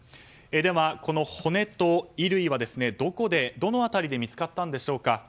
では、骨と衣類はどの辺りで見つかったんでしょうか。